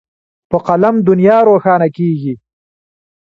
په قلم دنیا روښانه کېږي.